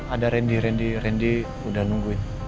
ada randy randy randy udah nungguin